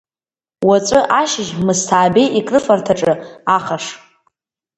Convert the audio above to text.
Уаҵәы ашьыжь Мысҭаабеи икрыфарҭаҿы ахаш…